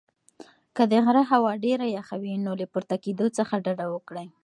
که د غره هوا ډېره یخه وي نو له پورته کېدو څخه ډډه وکړئ.